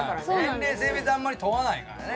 年齢性別あんまり問わないからね。